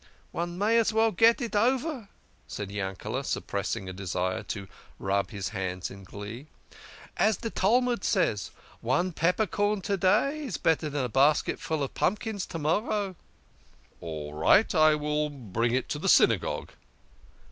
" One may as veil get it over," said Yankele, suppressing a desire to rub his hands in glee. " As de Talmud says, ' One peppercorn to day is better dan a basketful of pump kins to morrow.' "" All right ! I will bring it to the Synagogue."